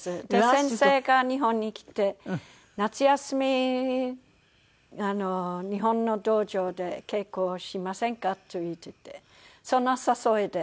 先生が「日本に来て夏休み日本の道場で稽古をしませんか？」と言っていてその誘いで。